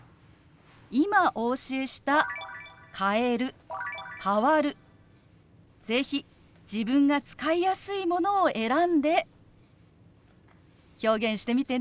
今お教えした「変える」「変わる」是非自分が使いやすいものを選んで表現してみてね。